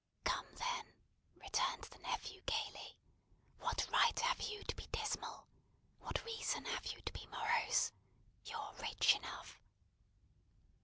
"Come, then," returned the nephew gaily. "What right have you to be dismal? What reason have you to be morose? You're rich enough."